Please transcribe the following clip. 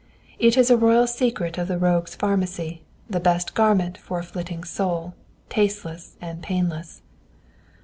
It is a royal secret of the rogue's pharmacy the best garment for a flitting soul, tasteless and painless.